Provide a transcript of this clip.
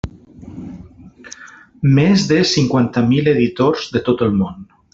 Més de cinquanta mil editors de tot el món.